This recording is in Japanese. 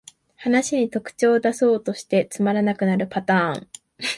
話に特徴だそうとしてつまらなくなるパターン